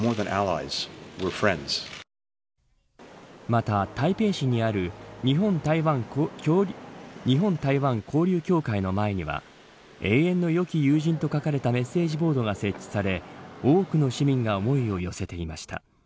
また、台北市にある日本台湾交流協会の前には永遠のよき友人と書かれたメッセージボードが設置され多くの市民が思いを寄せていました。